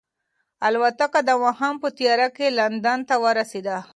الوتکه د ماښام په تیاره کې لندن ته ورسېده.